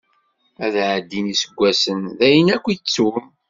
Ad ɛeddin iseggasen, dayen ad k-ttun.